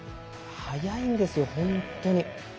速いんですよ、本当に。